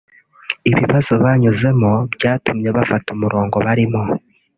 ibibazo banyuzemo byatumye bafata umurongo barimo